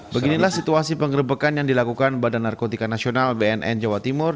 beginilah situasi penggerbekan yang dilakukan badan narkotika nasional bnn jawa timur